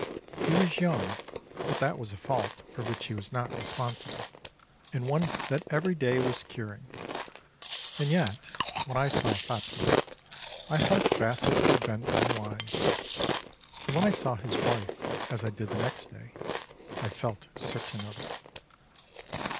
He was young, but that was a fault for which he was not responsible, and one that every day was curing. And yet, when I saw Phatmah, I thought Basset had been unwise, and when I saw his wife, as I did the next day, I felt certain of it.